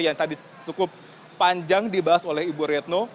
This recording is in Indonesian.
yang tadi cukup panjang dibahas oleh ibu retno